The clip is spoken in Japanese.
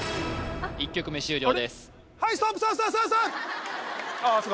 １曲目終了ですあれ？